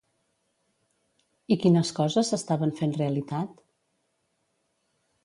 I quines coses s'estaven fent realitat?